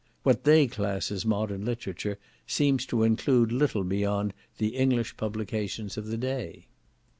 What they class as modern literature seems to include little beyond the English publications of the day.